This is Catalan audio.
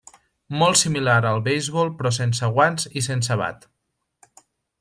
Molt similar al beisbol, però sense guants i sense bat.